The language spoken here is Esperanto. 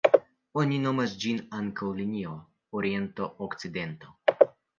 Oni nomas ĝin ankaŭ linio oriento-okcidento.